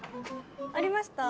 ありました？